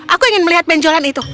aku ingin melihat benjolan itu